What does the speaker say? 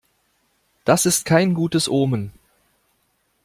Das ist kein gutes Omen.